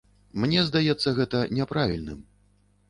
Мне здаецца гэта няправільным.